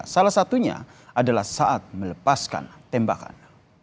salah satunya adalah saat melepaskan tembakan